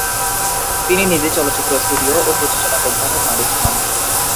তিনি নিজেই চলচ্চিত্র স্টুডিও ও প্রযোজনা কোম্পানির মালিক হন।